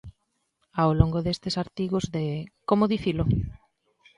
Ao longo destes artigos de Como dicilo?